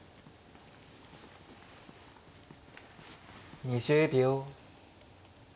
２０秒。